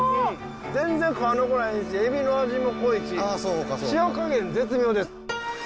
全然皮残らへんしエビの味も濃いし塩加減絶妙です。